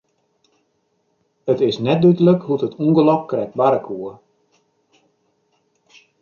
It is net dúdlik hoe't it ûngelok krekt barre koe.